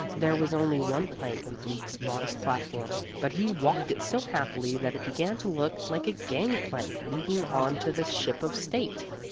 There was only one plank in Bleak's modest platform, but he walked it so happily that it began to look like a gangplank leading onto the Ship of State.